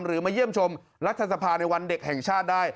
มาเยี่ยมชมรัฐสภาในวันเด็กแห่งชาติได้